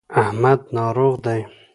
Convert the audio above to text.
احمد ناروغ دی.